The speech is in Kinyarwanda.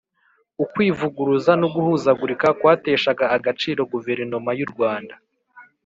ukwivuguruza n'uguhuzagurika kwateshaga agaciro guverinoma yu rwanda.